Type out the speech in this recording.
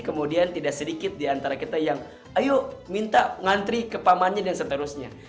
kemudian tidak sedikit diantara kita yang ayo minta ngantri ke pamannya dan seterusnya